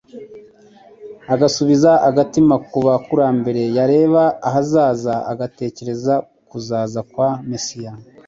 agasubiza agatima ku bakurambere, yareba ahazaza, agatekereza ku kuza kwa Mesiya,